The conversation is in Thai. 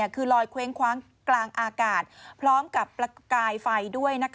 คือลอยเคว้งคว้างกลางอากาศพร้อมกับประกายไฟด้วย